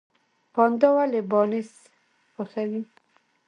پاندا ولې بانس خوښوي؟